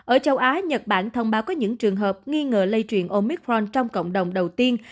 ở châu á nhật bản thông báo có những trường hợp nghi ngờ lây truyền omitron trong cộng đồng đầu tiên